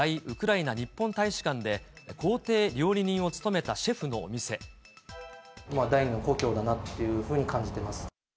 ウクライナ日本大使館で公邸料理人を務めたシェフのお第２の故郷だなっていうふうに感じてます。